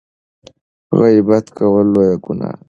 غیبت کول لویه ګناه ده.